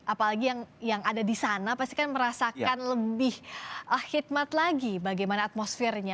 apalagi yang ada di sana pasti kan merasakan lebih khidmat lagi bagaimana atmosfernya